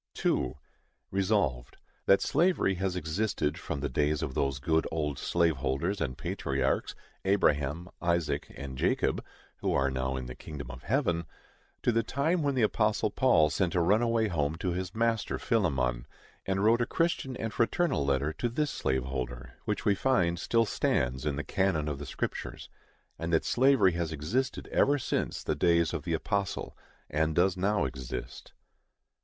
2. Resolved, That slavery has existed from the days of those good old slave holders and patriarchs, Abraham, Isaac and Jacob (who are now in the kingdom of heaven), to the time when the apostle Paul sent a runaway home to his master Philemon, and wrote a Christian and fraternal letter to this slave holder, which we find still stands in the canon of the Scriptures; and that slavery has existed ever since the days of the apostle, and does now exist.